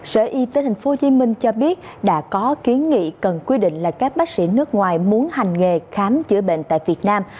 sở y tế tp hcm cho biết đã có kiến nghị cần quy định là các bác sĩ nước ngoài muốn hành nghề khám chữa bệnh tại việt nam